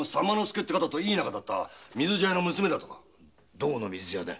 どこの水茶屋だ？